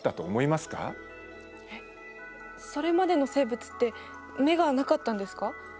それまでの生物って眼がなかったんですか？